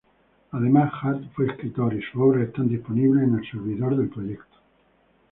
Además, Hart fue escritor, y sus obras están disponibles en el servidor del proyecto.